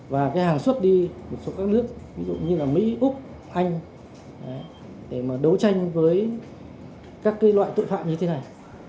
và cái hàng xuất đi một số các nước ví dụ như là mỹ úc anh để mà đấu tranh với các loại tội phạm như thế này